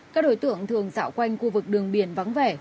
các đối tượng thường dạo quanh khu vực đường biển vắng vẻ